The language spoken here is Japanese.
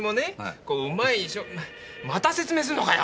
こううまい商また説明すんのかよ！